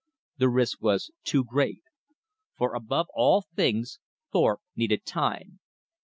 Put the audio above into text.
The risk was too great. For above all things Thorpe needed time.